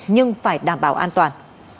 nhưng phải đảm bảo an toàn